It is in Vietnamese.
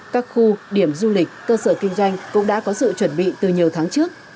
các khu điểm du lịch cơ sở kinh doanh cũng đã có sự chuẩn bị từ nhiều tháng trước